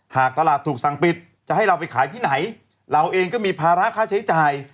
หากตลาดถูกสั่งปิดจะให้เราไปขายที่ไหนเราเองก็มีภาระค่าใช้จ่าย